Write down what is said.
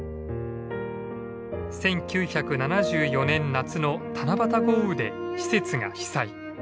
１９７４年夏の七夕豪雨で施設が被災。